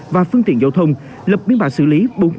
và phương tiện giao thông lập biên bản xử lý bốn trường hợp